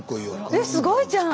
えすごいじゃん！